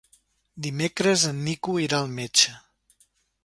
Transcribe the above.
Dimecres en Nico irà al metge.